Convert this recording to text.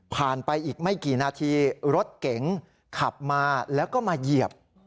ไปอีกไม่กี่นาทีรถเก๋งขับมาแล้วก็มาเหยียบ